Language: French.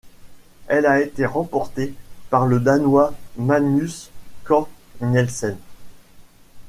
Elle a été remportée par le Danois Magnus Cort Nielsen.